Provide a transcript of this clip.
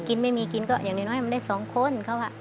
ก็ไม่มีกินอย่างน้อยมีสองคน